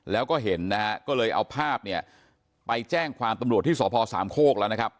แล้วก็เห็นนะฮะก็เลยเอาภาพเนี่ยไปแจ้งความตำรวจที่สพสามโคกแล้วนะครับ